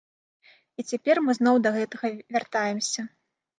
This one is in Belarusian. І цяпер мы зноў да гэтага вяртаемся.